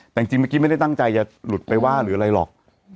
แต่จริงเมื่อกี้ไม่ได้ตั้งใจจะหลุดไปว่าหรืออะไรหรอก